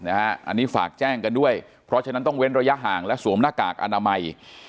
อันนี้ฝากแจ้งกันด้วยเพราะฉะนั้นต้องเว้นระยะห่างและสวมหน้ากากอนามัย